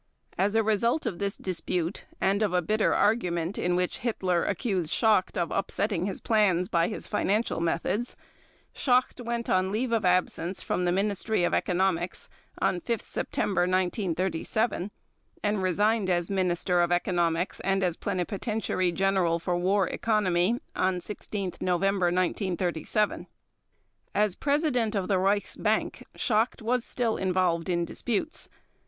As a result of this dispute and of a bitter argument in which Hitler accused Schacht of upsetting his plans by his financial methods, Schacht went on leave of absence from the Ministry of Economics on 5 September 1937, and resigned as Minister of Economics and as Plenipotentiary General for War Economy on 16 November 1937. As President of the Reichsbank Schacht was still involved in disputes.